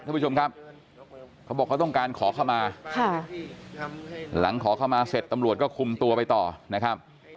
ท่านผู้ชมครับเขาบอกเขาต้องการขอเข้ามาค่ะหลังขอเข้ามาเสร็จตำรวจก็คุมตัวไปต่อนะครับ